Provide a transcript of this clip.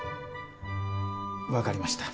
わかりました。